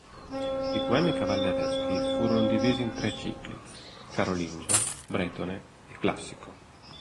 I poemi cavallereschi furono divisi in tre cicli: carolingio, bretone e classico.